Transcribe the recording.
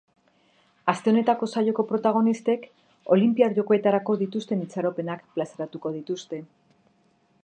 Aste honetako saioko protagonistek olinpiar jokoetarako dituzten itxaropenak plazaratuko dituzte.